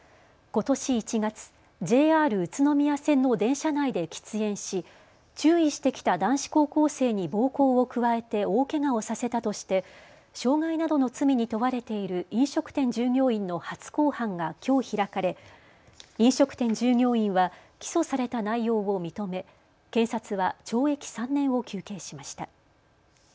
ことし１月、ＪＲ宇都宮線の電車内で喫煙し注意してきた男子高校生に暴行を加えて大けがをさせたとして傷害などの罪に問われている飲食店従業員の初公判がきょう、開かれ飲食店従業員は起訴された内容を認め、検察は懲役３年を求刑しました。